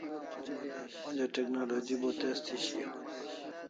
Onja technology bo tez thi shiau